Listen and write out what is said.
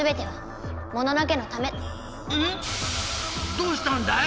どうしたんだい？